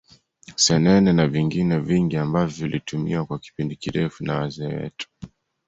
Senene na vingine vingi ambavyo vilitumiwa kwa kipindi kirefu na wazee wetu